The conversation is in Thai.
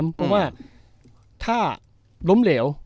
เพราะว่าถ้าล้มเหลว